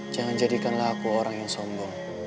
jangan jadikanlah aku orang yang sombong